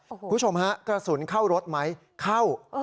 คุณผู้ชมฮะกระสุนเข้ารถไหมเข้า